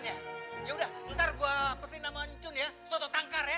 ya udah ntar gue peselin sama ancun ya soto tangkar ya